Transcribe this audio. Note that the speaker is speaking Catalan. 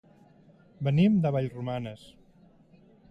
Venim de Vallromanes.